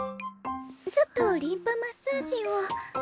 ちょっとリンパマッサージを。